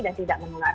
dan tidak menular